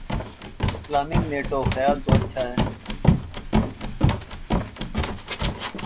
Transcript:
Islamic NATO: خیال تو اچھا ہے۔